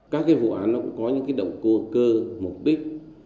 các vụ án cũng có những động cơ mục đích